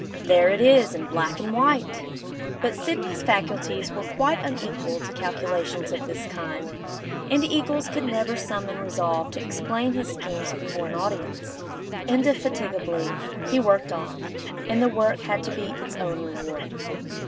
'There it is in black and white!' But Sidney's faculties were quite unequal to calculations of this kind, and Eagles could never summon resolve to explain his schemes before an audience. Indefatigably he worked on, and the work had to be its own reward.